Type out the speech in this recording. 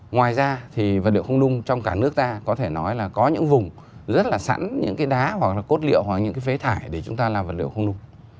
ngoài ra thì vật liệu không nung trong cả nước ta có thể nói là có những vùng rất là sẵn những cái đá hoặc là cốt liệu hoặc những cái phế thải để chúng ta làm vật liệu không nung